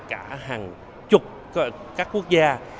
cả hàng chục các quốc gia